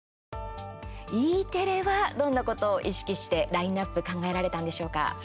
Ｅテレはどんなことを意識してラインナップ考えられたんでしょうか？